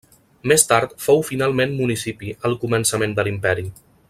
Més tard fou finalment municipi al començament de l'Imperi.